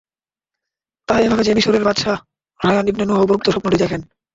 তা এভাবে যে, মিসরের বাদশাহ রায়্যান ইবন নূহ উপরোক্ত স্বপ্নটি দেখেন।